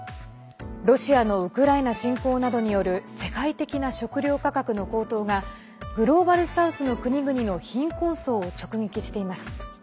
ロシアのウクライナ侵攻などによる世界的な食料価格の高騰がグローバル・サウスの国々の貧困層を直撃しています。